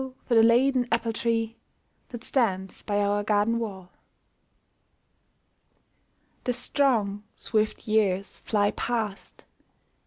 for the laden apple tree That stands by our garden wall !" The strong swift years fly past.